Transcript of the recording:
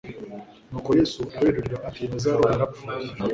«Nuko Yesu araberurira ati: Lazaro yarapfuye.